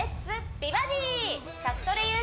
美バディ」